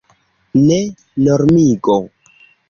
Ne normigo.